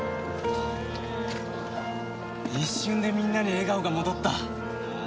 一瞬でみんなに笑顔が戻った。